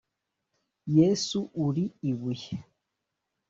Yesu uri ibuye